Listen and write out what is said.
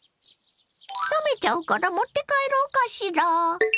冷めちゃうから持って帰ろうかしら！